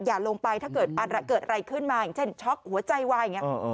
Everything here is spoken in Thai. อย่าลงไปถ้าเกิดเกิดอะไรขึ้นมาอย่างเช่นช็อกหัวใจวายอย่างนี้